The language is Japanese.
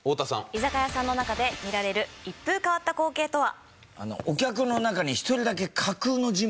居酒屋さんの中で見られる一風変わった光景とは？